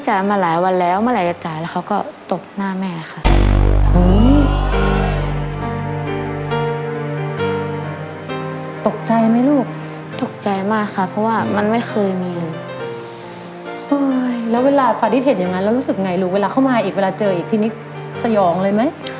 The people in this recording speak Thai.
แล้วเวลาฟาดเห็นอย่างนั้นแล้วรู้สึกไงลูกเวลาเข้ามาอีกเวลาเจออีกทีนี้สยองเลยไหม